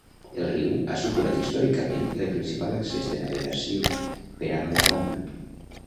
El riu ha suposat històricament el principal accés de navegació per a Alabama.